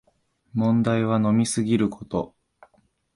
問題は飲みすぎること